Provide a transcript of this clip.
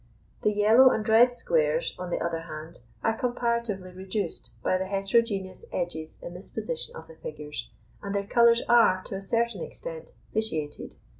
The yellow and red squares, on the other hand, are comparatively reduced by the heterogeneous edges in this position of the figures, and their colours are, to a certain extent, vitiated.